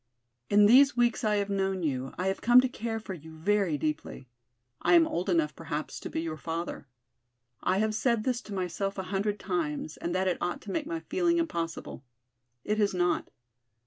In these weeks I have known you I have come to care for you very deeply. I am old enough perhaps to be your father. I have said this to myself a hundred times and that it ought to make my feeling impossible. It has not.